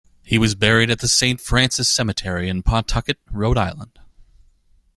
He was buried at the Saint Francis Cemetery in Pawtucket, Rhode Island.